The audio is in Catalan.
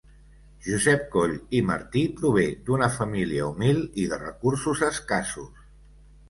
Josep Coll i Martí, prové d'una família humil i de recursos escassos.